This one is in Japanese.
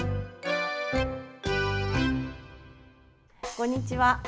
こんにちは。